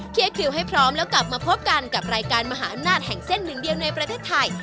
คิวให้พร้อมแล้วกลับมาพบกันกับรายการมหาอำนาจแห่งเส้นหนึ่งเดียวในประเทศไทย